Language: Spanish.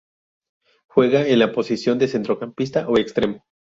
Juega en la posición de centrocampista o extremo.